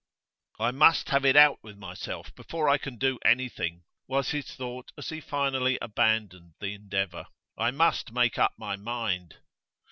'I must have it out with myself before I can do anything,' was his thought as he finally abandoned the endeavour. 'I must make up my mind.